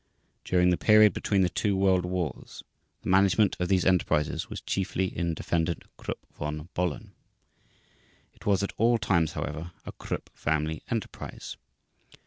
During the period between the two World Wars, the management of these enterprises was chiefly in Defendant Krupp von Bohlen. It was at all times however a Krupp family enterprise.